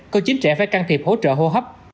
có chín trẻ phải can thiệp hỗ trợ hô hấp